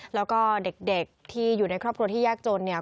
แล้วก็เด็กที่อยู่ในครอบครัวที่ยากจนเนี่ย